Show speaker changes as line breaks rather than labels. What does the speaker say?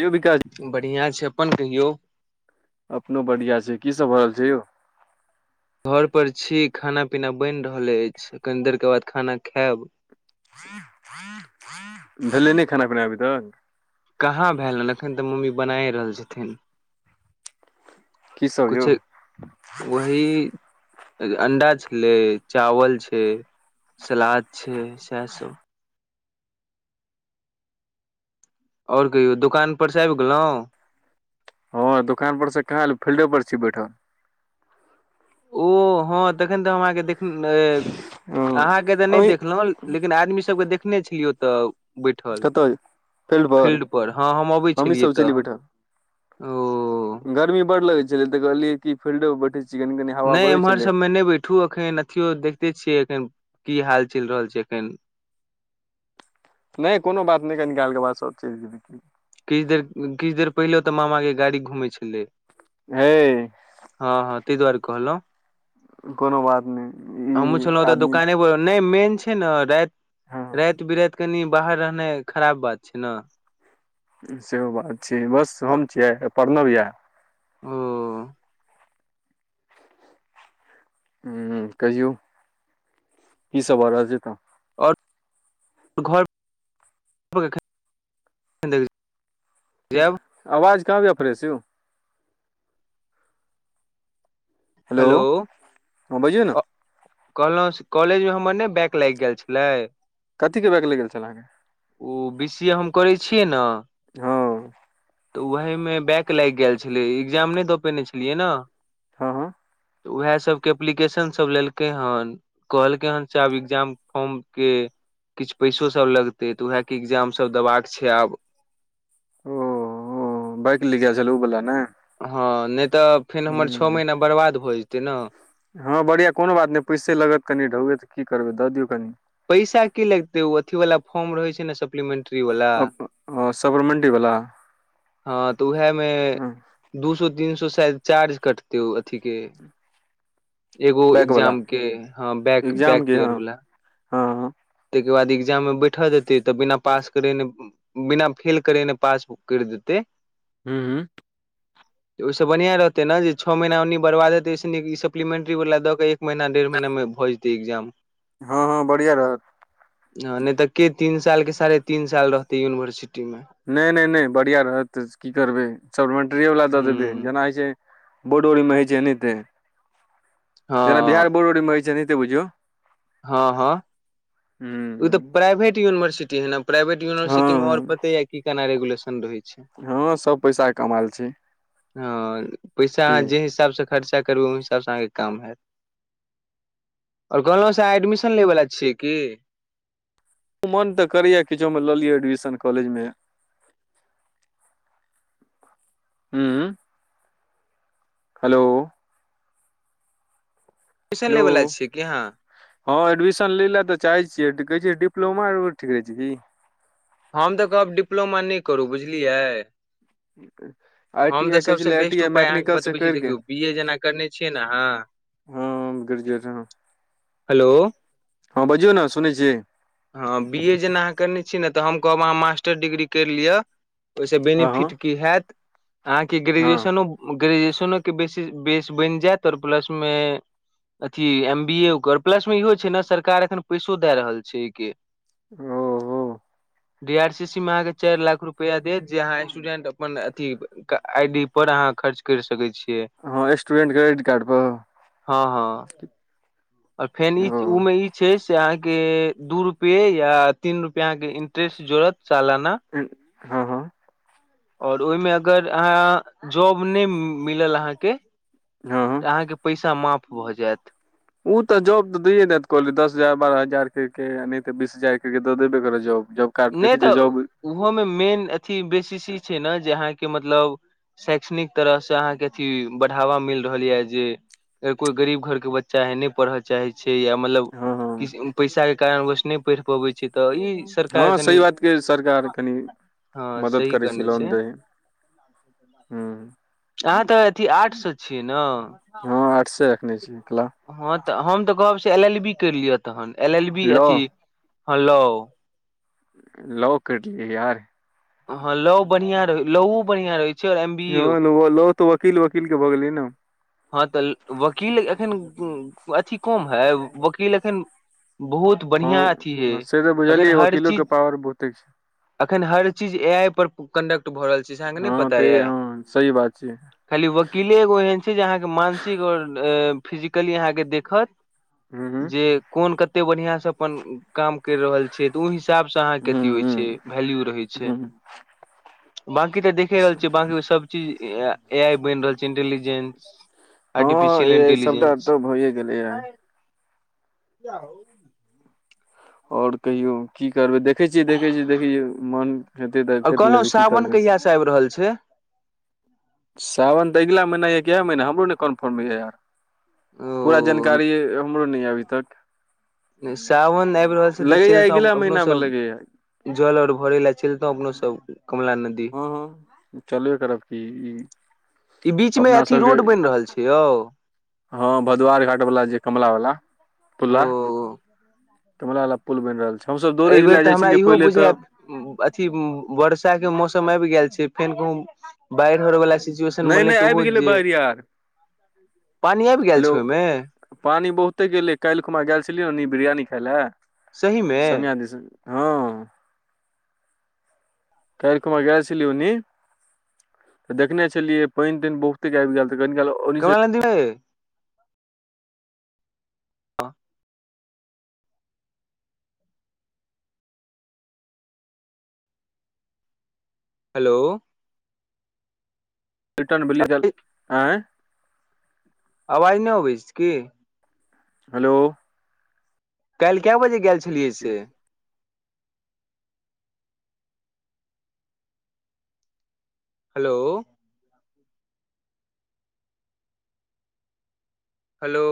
यो विकास
बढ़िआँ छै अपन कहियौ
अपनो बढ़िआँ छै की सब भर रहल छै यौ
घर पर छी खाना पीना बैन रहल ऐछ कनि देर के बाद खाना खायब
[inaudible] भेलै नय खाना पीना अभी तऽ
कहाँ भेल हन एखन तऽ मम्मी बना रहल छथिन
की सब यौ
किछु वही अंडा छै लै चावल छै सलाद छै सएह सब ओर कहियो दोकान पर से आबि गेलो
हँ दोकान पर से कहाँ एलो फील्डे पर छी बैठल
ओ हँ तखन तऽ हम अहाँके देख लू
हूं
अहाँ के तऽ नय
ओहि
देखलो लेकिन आदमी सबके देखने छलियौ ओतऽ बैठल
कतऽ
फील्ड पर हँ हम अबै
हमहीं
छलियै
सब छेलियै
तखन
बैठल गर्मी बड़ लगे छल तऽ कहलियै क फील्डो पर बैठे छै
नै एम्हर सभमे नै बैठू एखन अथियो देखते छियै एखन की हाल चैल रहल छै एखन
नै कोनो बात नै कनी काल केऽ बाद सभ चैल जेबै
किछ देर किछ देर पहिले तऽ मामा के गाड़ी घूमै छलै
हैय
हँ हँ तै दुआारे कहलौ
कोनो बात नहि ई
हमहु छलौतऽ
आदमी
दुकान पर नहि मेन छै छै ने
हँ
रैत बीरैत कनि बाहर रहनाइ खराब बात छै ने
सेहो बात छै बस हम छियै प्रणव ये
ओ
ह कहियौ की सब भ रहल छै तऽ
आओर घर पर एखन
की
जायब
आवाज कहाँब अबै य फ्रेश यौ
हेलो।
हँ बजियौ ने
कहलहुँ कॉलेज मे हमर ने बैक लैग गेल छलै
कथी के बैक लैग गेल छलहाँके
ओ बी सी ए हम करै छियै। ने
हँ
तऽ ओह मे बैक लैग गेल छलै। एग्जाम नै दऽ पेने छलियै ने।
हँ हँ।
तऽ उहे सभके एप्लीकेशन सभ लेलकै हन। कहलकै हन से आब एकग्जाम फॉर्म के किछ पैसो सब लगतै। तऽ उएहके एग्जाम सब देबाक छै। आब
ओ ओ बैक लैग छल। ओ बला ने
हँ नै तऽ फेर हमर छ
ह
महीना बर्बाद भ जेतै ने।
हँ बढ़िआँ कोनो बात नै पैसे लगत कनि ढौबै तऽ की करबै दऽ दियौ। कनि
पैसा की लगतै ओ अथी वला फर्म रहै छै। ने सप्लीमेंटी
हॅं सफरमेंटी बला
हँ तऽ उहे मे दू सौ तीन सौ शायद चार्ज कट तो अथी के एगो
बैक वाला
एग्जाम के ह बैक
एग्जाम
बैक
के
इयर
हँ
वला।
हँ
तै के बाद एकग्जाम मे बैठल जेतै। तऽ बिना पास करेने बिना फेल करेने पासुक कैर देते
हुॅं
त ओहिसँ बढ़िआ रहतै ने जे छओ महीना ओनी बर्बाद ओयस नीक ई सप्लीमेंटरी वला दऽ कऽ एक एक महिना डेढ़ महिनामे भ जेतै एक्जाम
हँ हँ बढ़िया रहत
ह नै तऽ के तीन साल के साढ़े तीन साल रहतै यूनिवर्सिटी मे।
नै नै नहि बढ़िया रहत की करबै सप्लीमेंटरीए वला दऽ देबै
हूँ
जेना होइ छै। बोड ओड मे होइ छै। एनाते जेना
हँ
बिहार बोर्डोरीमे होइ छै। एनाते बुझियौ
हँ हँ ई तऽ
हूँ
प्राइवेट यूनिवर्सिटी है न। प्राइवेट यूनिवर्सिट मे अओर
हँ
पते यऽ की केना रेगुलन रहै छै
हँ सब पैसा कमाल छै
हॅं पैसा
की
अहा जे हिसाब स खर्चा करबै ओय हिसाब स अहा के काज हेएत [unintelligible] एडमिशन लै वल्ला छियै की।
मोन तऽ करे या किछो मे लऽ लिये एडमिशन कॉलेज मे। हूँ। हेलो।
ट्यूशन
हेलो
लैवला छियै। कि अहाँ।
हँ एडमिशन ले लऽ तऽाह छियै। कहै छ। डिप्लमा ठीक रहै छै। की
हम तऽ कहब डिप्लोमा नहि करू बुझलियै।
आई टी
हम तऽ
आई कहै
सभसँ
छलै आई टी
बेस्ट
आई
उपाय अहाँके
मैकेनिकल से
बतबै छी।
करि के
देखियौ बी ए जेना करने छियै। ने अहाँ
हँए
हेलो
हँ बजियौ ने सुनै छियै।
हँ बी ए जेना अहाँ करने छीने। ऽ हम कहब अहाँ। मास्टर डिग्री करि लिअ। ओहिस
हँ हँ
बेनिफिट की हयत अहाँके
हँ
ग्रेजुएशनो ग्रेजुएशनोके बेस बनि जायत आओर प्लसमे अथी एम बी ए उकर प्लस मे इहो छै। ने सरकार एखन पैसो दय रहल छै। के
ह
डी आर सी सी में अहाँके चारि लाख रुपआ देत जे अहाँ स्टूडेंट अपन अथी के आई डी पर अहाँ खर्च कर सकैत छियै।
हँ स्टूडेन्ट क्रेडिट कार्डपर
हँ हँ आओर फेन ई
ओ
ओमे ई छै। से अहाँ के दू रूपे या तीन रुपआ अह के इंटरेस्ट जोड़त सालाना
हँ हँ
और ओहिमे अगर अहाँ जॉब नय मिलल अहाँके
हँ हँ
तअ हाँके पैसा माफ भऽ जायत।
ओ तऽ जॉब तऽ दैए देत कहलै दस हजार बारह हजार करके नहि तऽ बीस हजार केतऽ देबे करतै जॉब जब
नहि तऽ ओहोमे मेन अथी बेसिस ई छै। ने जे अहाँके मतलब शैक्षणिक तरहसँ अहाँके अथी बढ़ावा मिल रहल यए जे अ कोई गरीब घर के बच्चा हय न पढ़त चाह छै य मतलब
हँ हँ
पेइसा कारण नय पढ़ि पबै छै तऽ ई सर
हँ
कनि
सही बात के सरकार कनि
हँ
मदद
सही
करै
कहने
लोन
छै
दै हूँ
अहाँ तऽ अथि आर्ट स छियय न
हँ आर्ट्स रखने छी कला
हँ तऽ हम तऽ कहब से एल एल बी करि लिअ तहन एल एल बी
लॉ
अथी हँ लो
लौ करलियै यार
हँ लौ बढ़िया रहै लौउ बढ़िया रहै छै और एम बी ए ओ
ह लो तऽ वकील वकील के भऽ गेलै ने
हँ तऽ वकील एखन अथी कम है वकील एखन बहुत बढ़िआँ अथी हैयै
हँ से तऽ
एखन
बुझलियै
हर
वकीलो के
चीज
पावर बहुते छै
अखन हर चीज ए आई पर कंडक्ट भऽ रहल छै से अहके नहि
हँ
पता
ते
ये
हँ सही बात छै
खाली वकीले एगो एहन छै जे अहाँके मानसिक आ और फिजिकली अहाँके देखत
हूँ हूँ
जे कोन कते बढ़िआँ से अपन काम करि रहल छै ऊ हिसाब स अहाँके
हूँ
अथी होइ
हूँ
छै वैल्यू रहै छै
हूँ
बाकी तऽ देखे रहल छियै बाकी सब चीज ए आई बनि रहल छै इंटेलिजेंस
हँ
आर्टिफिशियल
य सबटा
इंटेलिजेंस
तऽ भइए गेलै आइ और कहियो की करबै देखइ छियै देखइ छियै देखइ छियै मोन हेतै तऽ करि लेबै की करबै
आइब रहल छै
सावन तऽ अगिला महीना यऽ कि इह महीना हमरो नहि कन्फर्म होइए पूरा
ओ
जानकारी हमरो नय यै अभी तक
सावन आबि रहल छै तऽ
लगैया अगिला
चलितहु अपनो
महीना मे
सब
लगैया
जल अर भरे ला चलतो अपनो सब कमला नदी
हँ हँ चलबे करब की ई
ई बीच में
अपना
अथी
सबके
रोड बइन रहल छै यौ
हँ भदवार घाट बला जे कमला बला पुला
ओ
कमला बला पुल बेन रहल छै हमसभ दौड़ै
एहि बेेर
लए
तऽ
जाइ
हमरा
छलियै
इहो
पहिले तऽ
बुझाय अथी बर्षा के मौसम आइब गेल छै फेन कहूँ बाढ़ि आरवाला सचुएशन
नहि
बनल
नहि
तऽ
आबि
ओहो
गेलै
जे
बाढ़ि यार
पानी आइब गेल
हेलो
छै ओइ मे
पानी बहुते गेलै काल्हखुमा गेल छलिय न ओनि बिरयानी खाइ लए
सही में
समिया हँ काल्ह खुमा गैल छेलिइय ओनि तऽ देखने छलियै पइन तइन बहुते आइब गेल तऽ कनि काल ओन्नी से
ै [inaudible] हँ हेलो
[unintelligible] आँ
आवाज नय अबैत छै की
हेलो
काल्ह कए बजे गेल छलियै से हेलो हेलो